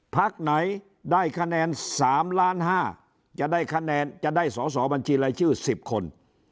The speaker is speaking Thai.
พักไหนได้คะแนน๓ล้าน๕จะได้คะแนนจะได้สอสอบัญชีรายชื่อ๑๐คน